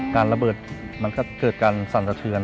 ระเบิดมันก็เกิดการสั่นสะเทือน